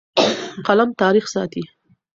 قلم تاریخ ساتي.